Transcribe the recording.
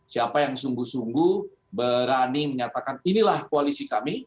siapa yang sungguh sungguh berani menyatakan inilah koalisi kami